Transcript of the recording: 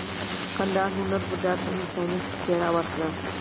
ګندهارا هنر بودا ته انساني څیره ورکړه